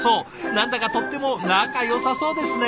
何だかとっても仲よさそうですね。